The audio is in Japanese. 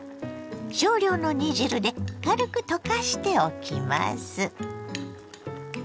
少量の煮汁で軽く溶かしておきます。